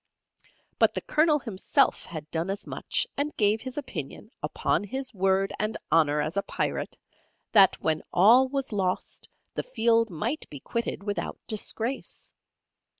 But the Colonel himself had done as much, and gave his opinion, upon his word and honour as a Pirate, that when all was lost the field might be quitted without disgrace.